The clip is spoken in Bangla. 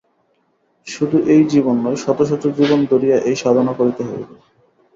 শুধু এই জীবন নয়, শত শত জীবন ধরিয়া এই সাধনা করিতে হইবে।